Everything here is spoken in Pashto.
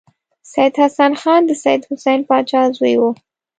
سید حسن خان د سید حسین پاچا زوی و.